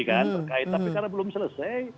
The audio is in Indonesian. kan terkait tapi karena belum selesai